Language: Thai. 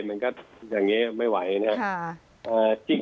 มันก็อย่างนี้ไม่ไหวนะครับ